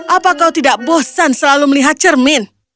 apa kau tidak bosan selalu melihat cermin